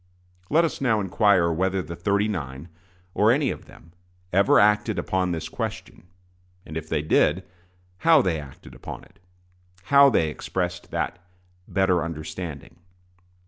Let us now inquire whether the "thirty nine," or any of them, ever acted upon this question; and if they did, how they acted upon it how they expressed that better understanding.